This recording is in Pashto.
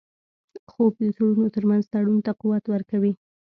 خوب د زړونو ترمنځ تړون ته قوت ورکوي